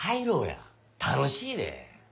楽しいで。